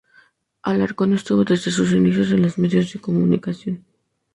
Alarcón estuvo desde sus inicios en los medios de comunicación.